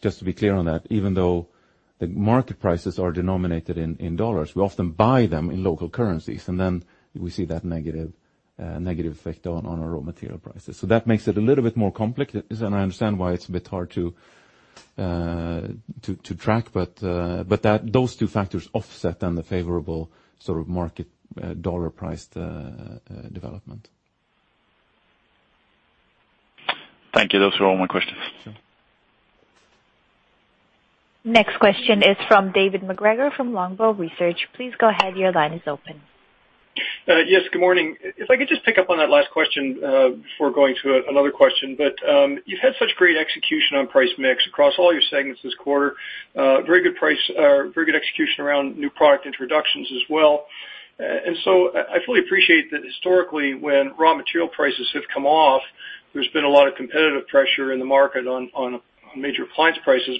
Just to be clear on that, even though the market prices are denominated in dollars, we often buy them in local currencies, and then we see that negative effect on our raw material prices. That makes it a little bit more complex, and I understand why it's a bit hard to track, but those two factors offset then the favorable market dollar priced development. Thank you. Those were all my questions. Next question is from David MacGregor from Longbow Research. Please go ahead. Your line is open. Yes, good morning. If I could just pick up on that last question before going to another question. You've had such great execution on price mix across all your segments this quarter. Very good execution around new product introductions as well. I fully appreciate that historically, when raw material prices have come off, there's been a lot of competitive pressure in the market on major appliance prices.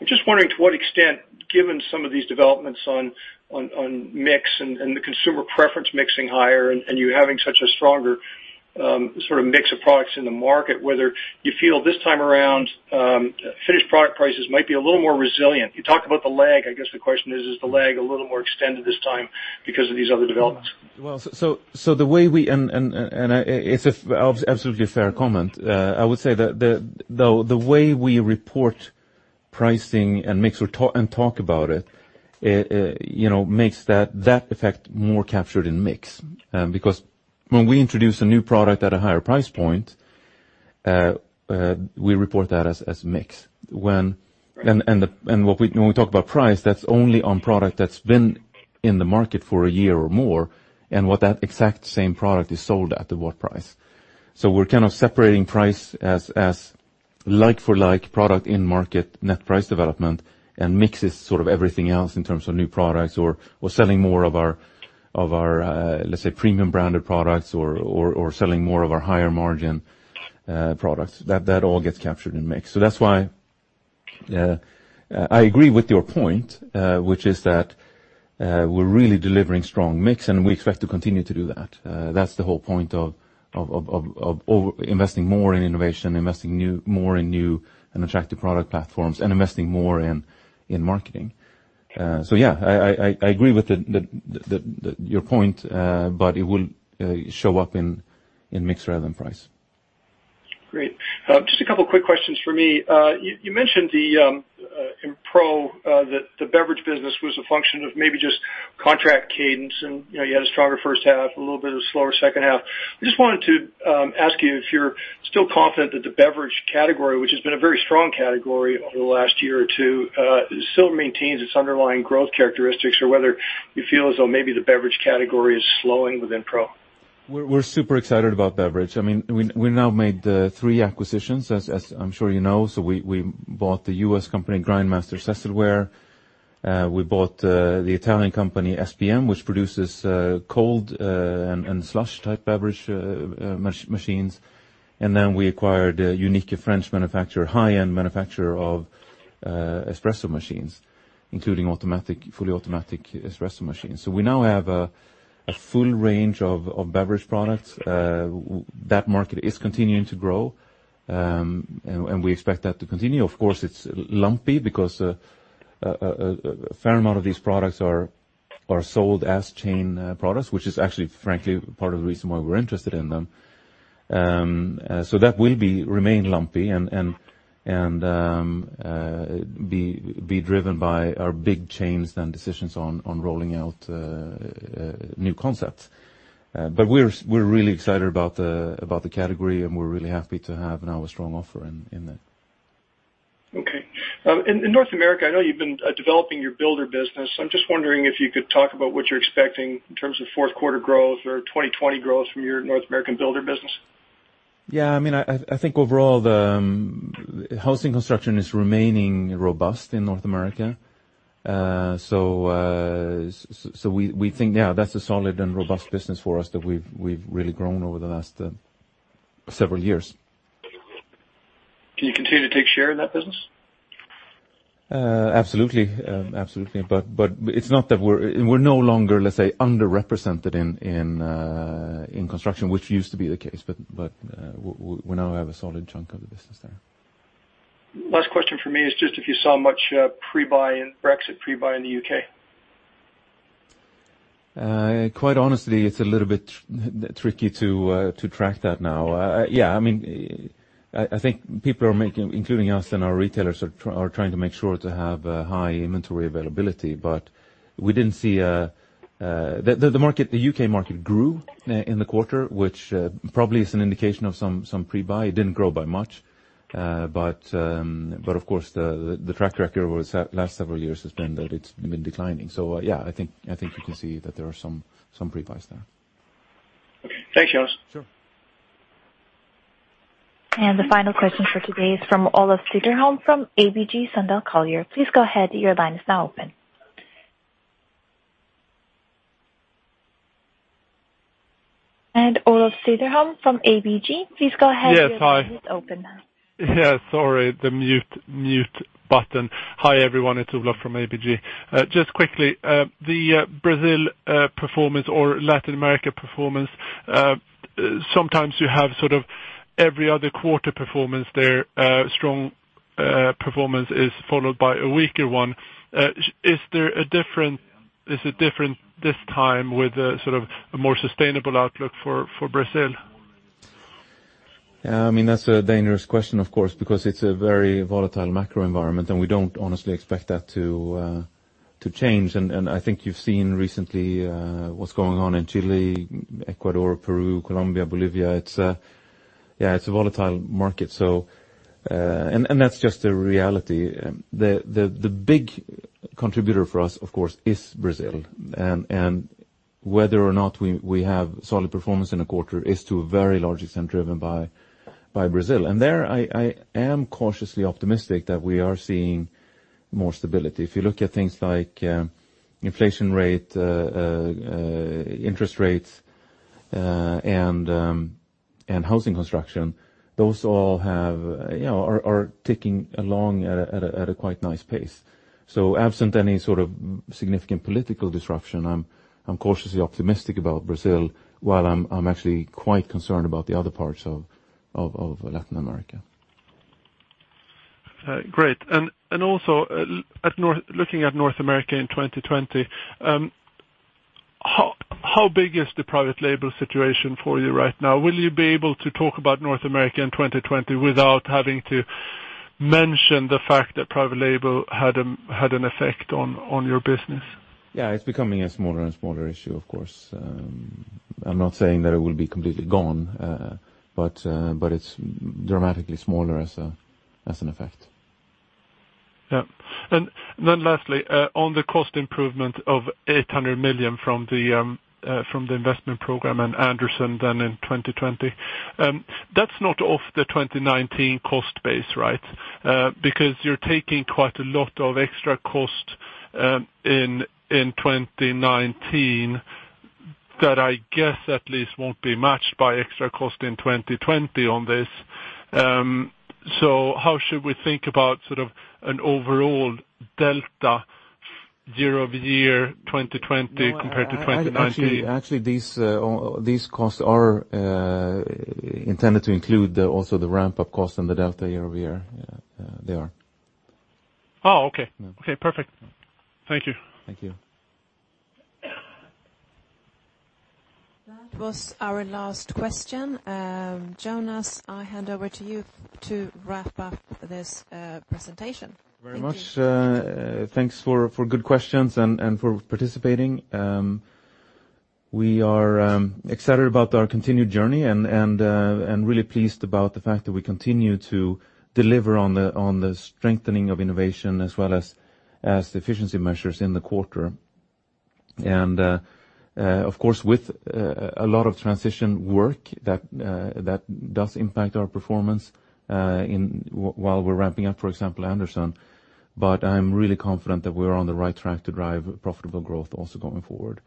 I'm just wondering to what extent, given some of these developments on mix and the consumer preference mixing higher and you having such a stronger mix of products in the market, whether you feel this time around finished product prices might be a little more resilient. You talked about the lag. I guess the question is the lag a little more extended this time because of these other developments? Well, it's absolutely a fair comment. I would say that the way we report pricing and mix and talk about it makes that effect more captured in mix. When we introduce a new product at a higher price point, we report that as mix. When we talk about price, that's only on product that's been in the market for a year or more, and what that exact same product is sold at what price. We're kind of separating price as like-for-like product in market net price development, and mix is everything else in terms of new products or selling more of our, let's say, premium branded products or selling more of our higher margin products. That all gets captured in mix. That's why I agree with your point, which is that we're really delivering strong mix, and we expect to continue to do that. That's the whole point of investing more in innovation, investing more in new and attractive product platforms, and investing more in marketing. Yeah, I agree with your point, but it will show up in mix rather than price. Great. Just a couple of quick questions for me. You mentioned in Pro that the beverage business was a function of maybe just contract cadence, and you had a stronger first half, a little bit of a slower second half. I just wanted to ask you if you're still confident that the beverage category, which has been a very strong category over the last year or two, still maintains its underlying growth characteristics, or whether you feel as though maybe the beverage category is slowing within Pro. We're super excited about beverage. We now made three acquisitions, as I'm sure you know. We bought the U.S. company Grindmaster-Cecilware. We bought the Italian company SPM, which produces cold and slush-type beverage machines. We acquired a unique French manufacturer, high-end manufacturer of espresso machines, including fully automatic espresso machines. We now have a full range of beverage products. That market is continuing to grow, and we expect that to continue. Of course, it's lumpy because a fair amount of these products are sold as chain products, which is actually, frankly, part of the reason why we're interested in them. That will remain lumpy and be driven by our big chains than decisions on rolling out new concepts. We're really excited about the category, and we're really happy to have now a strong offer in there. Okay. In North America, I know you've been developing your builder business. I'm just wondering if you could talk about what you're expecting in terms of fourth quarter growth or 2020 growth from your North American builder business. Yeah, I think overall, the housing construction is remaining robust in North America. We think, yeah, that's a solid and robust business for us that we've really grown over the last several years. Can you continue to take share in that business? Absolutely. We're no longer, let's say, underrepresented in construction, which used to be the case, but we now have a solid chunk of the business there. Last question for me is just if you saw much pre-buy in Brexit pre-buy in the U.K.? Quite honestly, it's a little bit tricky to track that now. I think people are making, including us and our retailers, are trying to make sure to have high inventory availability. The U.K. market grew in the quarter, which probably is an indication of some pre-buy. It didn't grow by much. Of course, the track record over the last several years has been that it's been declining. Yeah, I think you can see that there are some pre-buys there. Okay. Thanks, Jonas. Sure. The final question for today is from Olof Cederholm from ABG Sundal Collier. Please go ahead. Your line is now open. Olof Cederholm from ABG. Please go ahead. Yes, hi. your line is open now. Yeah, sorry. The mute button. Hi everyone, it's Olof from ABG. Just quickly, the Brazil performance or Latin America performance, sometimes you have every other quarter performance there, strong performance is followed by a weaker one. Is it different this time with a more sustainable outlook for Brazil? Yeah, that's a dangerous question, of course, because it's a very volatile macro environment, we don't honestly expect that to change. I think you've seen recently what's going on in Chile, Ecuador, Peru, Colombia, Bolivia. It's a volatile market, and that's just a reality. The big contributor for us, of course, is Brazil, and whether or not we have solid performance in a quarter is to a very large extent driven by Brazil. There I am cautiously optimistic that we are seeing more stability. If you look at things like inflation rate, interest rates, and housing construction, those all are ticking along at a quite nice pace. Absent any sort of significant political disruption, I'm cautiously optimistic about Brazil, while I'm actually quite concerned about the other parts of Latin America. Great. Also, looking at North America in 2020, how big is the private label situation for you right now? Will you be able to talk about North America in 2020 without having to mention the fact that private label had an effect on your business? Yeah, it's becoming a smaller and smaller issue, of course. I'm not saying that it will be completely gone, but it's dramatically smaller as an effect. Yeah. Lastly, on the cost improvement of 800 million from the investment program and Anderson then in 2020. That's not off the 2019 cost base, right? Because you're taking quite a lot of extra cost in 2019 that I guess at least won't be matched by extra cost in 2020 on this. How should we think about an overall delta year-over-year 2020 compared to 2019? Actually, these costs are intended to include also the ramp-up cost and the delta year-over-year. They are. Oh, okay. Okay, perfect. Thank you. Thank you. That was our last question. Jonas, I hand over to you to wrap up this presentation. Thank you. Very much. Thanks for good questions and for participating. We are excited about our continued journey and really pleased about the fact that we continue to deliver on the strengthening of innovation as well as the efficiency measures in the quarter. Of course, with a lot of transition work that does impact our performance while we're ramping up, for example, Anderson, but I'm really confident that we're on the right track to drive profitable growth also going forward.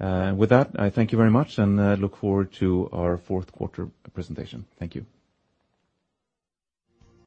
With that, I thank you very much, and I look forward to our fourth quarter presentation. Thank you.